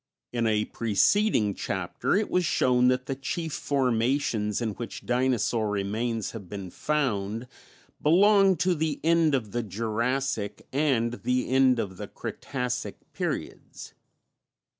In a preceding chapter it was shown that the chief formations in which dinosaur remains have been found belong to the end of the Jurassic and the end of the Cretacic periods.